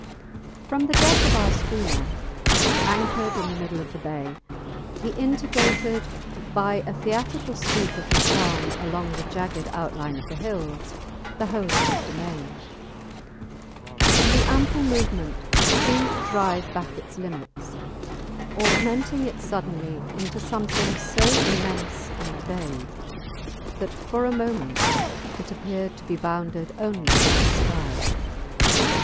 From the deck of our schooner, anchored in the middle of the bay, he indicated by a theatrical sweep of his arm along the jagged outline of the hills the whole of his domain; and the ample movement seemed to drive back its limits, augmenting it suddenly into something so immense and vague that for a moment it appeared to be bounded only by the sky.